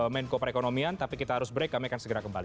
menko perekonomian tapi kita harus break kami akan segera kembali